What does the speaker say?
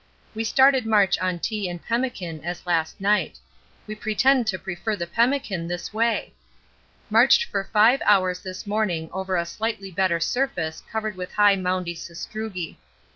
We started march on tea and pemmican as last night we pretend to prefer the pemmican this way. Marched for 5 hours this morning over a slightly better surface covered with high moundy sastrugi.